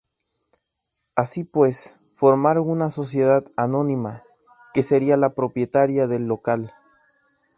Así pues formaron una Sociedad Anónima que sería la propietaria del local.